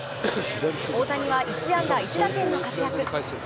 大谷は１安打１打点の活躍。